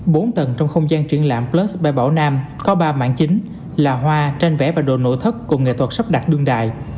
bốn tầng trong không gian triển lãm plus bảo nam có ba mạng chính là hoa tranh vẽ và đồ nội thất của nghệ thuật sắp đặt đương đại